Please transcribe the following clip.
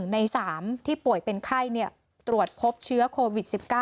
ใน๓ที่ป่วยเป็นไข้ตรวจพบเชื้อโควิด๑๙